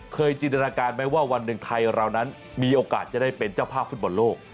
จินตนาการไหมว่าวันหนึ่งไทยเรานั้นมีโอกาสจะได้เป็นเจ้าภาพฟุตบอลโลก